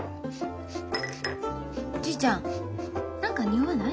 じいちゃん何かにおわない？